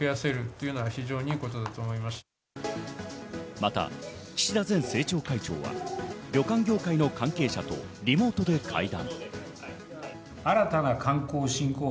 また岸田前政調会長は旅館業界の関係者とリモートで会談。